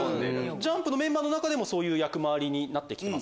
ＪＵＭＰのメンバーの中でもそういう役回りになってます？